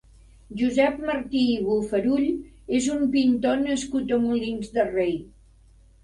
Josep Martí i Bofarull és un pintor nascut a Molins de Rei.